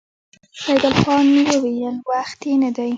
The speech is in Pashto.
سيدال خان وويل: وخت يې نه دی؟